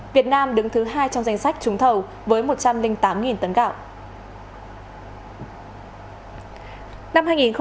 việt nam đứng thứ hai trong danh sách trúng thầu với một trăm linh tám tấn gạo